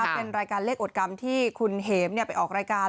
เป็นรายการเลขอดกรรมที่คุณเห็มไปออกรายการ